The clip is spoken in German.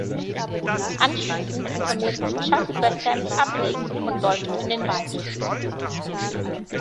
Anschließend informiert sie Chuck über Sams Ableben und läuft in den Wald.